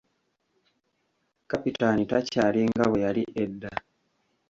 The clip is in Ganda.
Kapitaani takyali nga bwe yali edda.